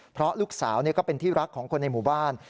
เพราะลูกสาวก็เป็นที่รักของคนในหมู่บ้าน